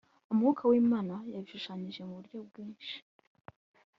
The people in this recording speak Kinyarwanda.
Umwuka wlmana yabishushanije mu buryo bginshi